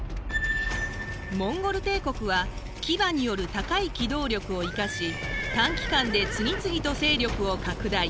モンゴル帝国は騎馬による高い機動力を生かし短期間で次々と勢力を拡大。